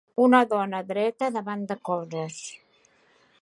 una dona dreta davant de coses.